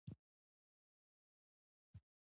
هغه په دې اته ساعتونو کې اتیا افغانۍ ترلاسه کوي